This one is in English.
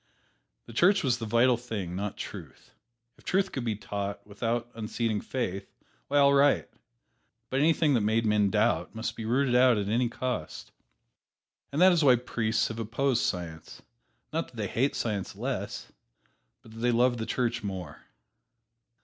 The Church was the vital thing not truth. If truth could be taught without unseating faith, why, all right, but anything that made men doubt must be rooted out at any cost. And that is why priests have opposed Science, not that they hate Science less, but that they love the Church more.